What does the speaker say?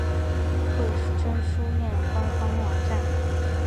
惠贞书院官方网站